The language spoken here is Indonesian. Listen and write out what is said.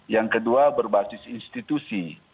yang kedua berbasis institusi